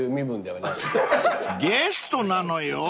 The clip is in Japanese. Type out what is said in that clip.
［ゲストなのよ？］